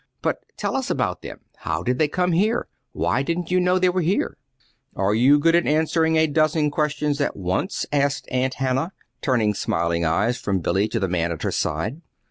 But tell us about them. How did they come here? Why didn't you know they were here?" "Are you good at answering a dozen questions at once?" asked Aunt Hannah, turning smiling eyes from Billy to the man at her side.